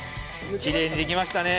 きれいにできましたね。